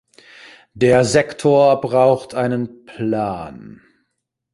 Der Sektor braucht einen Plan.